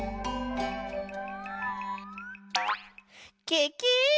ケケ！